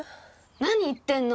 何言ってんの！